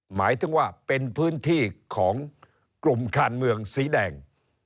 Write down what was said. หมายถึงว่าเป็นพื้นที่ของกลุ่มคานเมืองสีแดง